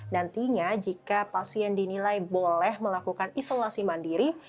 nantinya jika pasien dinilai boleh melakukan isolasi mandiri